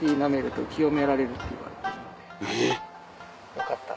よかったら。